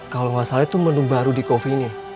kalau gak salah itu menu baru di covi ini